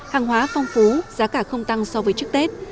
hàng hóa phong phú giá cả không tăng so với trước tết